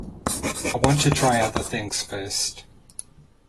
I want to try other things first.